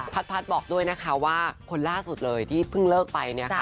พัดบอกด้วยนะคะว่าคนล่าสุดเลยที่เพิ่งเลิกไปเนี่ยค่ะ